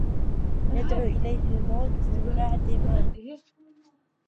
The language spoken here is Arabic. يَدعو إليه الموتَ مِن بَعدِ مَا